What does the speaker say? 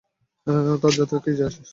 তার জাতে কী যায় আসে।